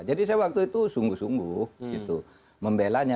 jadi saya waktu itu sungguh sungguh membelanya